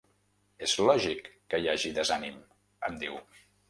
“És lògic que hi hagi desànim”, em diu.